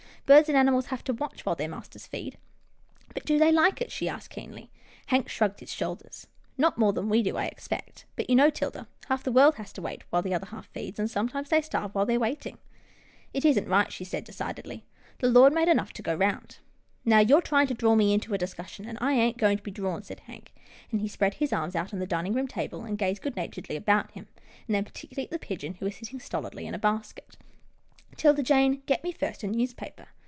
Birds and animals have to watch while their masters feed." " But do they like it? " she asked, keenly. Hank shrugged his shoulders. " Not more than we do, I expect, but you know, 'Tilda, half the world has to wait, while the other half feeds, and sometimes they starve while they're waiting." It isn't right," she said, decidedly, " the Lord made enough to go round." " Now you're trying to draw me into a discussion, and I ain't going to be drawn," said Hank, and he spread his arms out on the dining room table, and 148 LITTLE HOUSETOP 149 gazed goodnaturedly about him, and then partic ularly at the pigeon, who was sitting stolidly in a basket. " 'Tilda Jane, get me first a newspaper."